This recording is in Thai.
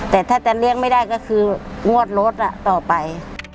แต่ถ้าจะเลี่ยงไม่ได้ก็คืองวดรถต่อไป